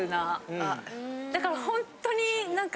だからホントになんか。